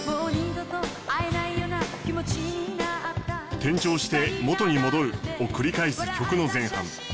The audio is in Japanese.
「転調して元に戻る」を繰り返す曲の前半。